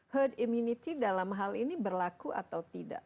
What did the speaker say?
herd immunity dalam hal ini berlaku atau tidak